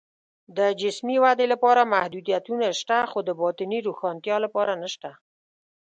د جسمي ودې لپاره محدودیتونه شته، خو د باطني روښنتیا لپاره نشته